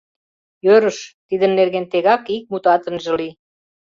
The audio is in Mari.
Йӧрыш, тидын нерген тегак ик мутат ынже лий.